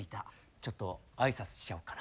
ちょっと挨拶しちゃおうかな。